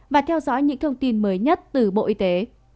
và theo dõi những thông tin mới nhất từ bộ y tế